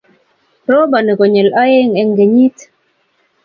Roboni konyel oeng'eng'kenyit